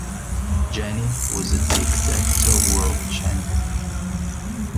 Jenny was a tic-tac-toe world champion.